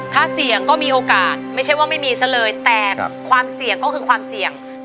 ถ้าเสี่ยงก็มีโอกาสไม่ใช่ว่าไม่มีซะเลยแต่ความเสี่ยงก็คือความเสี่ยง